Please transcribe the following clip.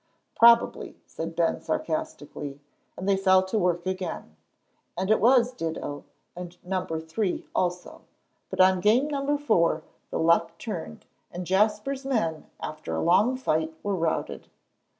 "Probably," said Ben, sarcastically. And they fell to work again. And it was ditto, and number three also. But on game number four the luck turned, and Jasper's men, after a long fight, were routed.